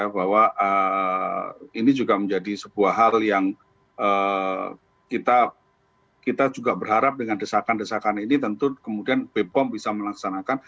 bahwa ini juga menjadi sebuah hal yang kita juga berharap dengan desakan desakan ini tentu kemudian bepom bisa melaksanakan